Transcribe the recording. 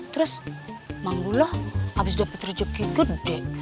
terus mang dula abis dapet rezeki gede